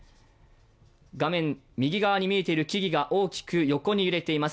画面右側に見えている木々が大きく横に揺れています。